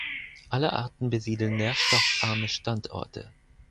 Alle Arten besiedeln nährstoffarme Standorte.